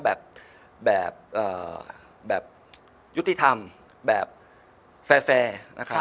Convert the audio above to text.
แบบยุติธรรมแบบแฟร์นะครับ